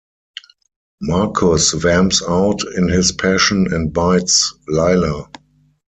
Marcus vamps out in his passion and bites Lilah.